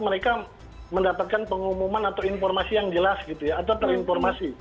mereka mendapatkan pengumuman atau informasi yang jelas gitu ya